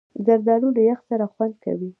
زردالو له یخ سره خوند کوي.